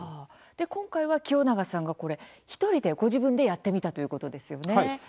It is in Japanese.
今回は清永さんがこれ、１人でご自分でやってみたということですよね。